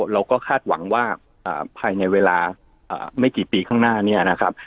เราก็คาดหวังว่าภายในเวลาไม่กี่ปีข้างหน้านี้นะครับ